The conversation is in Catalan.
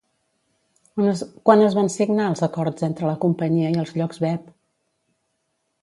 Quan es van signar els acords entre la companyia i els llocs web?